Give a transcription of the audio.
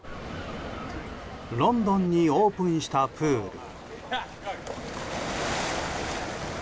ロンドンにオープンしたプール。